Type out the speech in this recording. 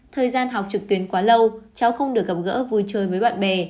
thời gian học trực tuyến quá lâu cháu không được gặp gỡ vui chơi với bạn bè